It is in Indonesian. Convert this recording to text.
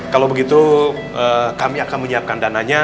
kalau begitu kami akan menyiapkan dananya